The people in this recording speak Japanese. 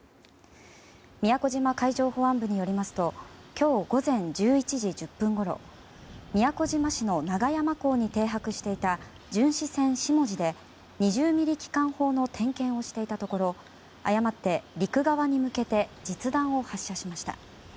宮古島海上保安部によりますと今日午前１１時１０分ごろ宮古島市の長山港に停泊していた巡視船「しもじ」で２０ｍｍ機関砲の点検をしていたところ誤って陸側に向けて実弾を発射しました。